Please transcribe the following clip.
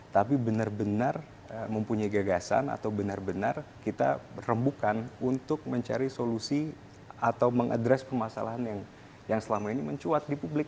tapi benar benar mempunyai gagasan atau benar benar kita rembukan untuk mencari solusi atau mengadres permasalahan yang selama ini mencuat di publik